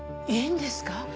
いいんですか？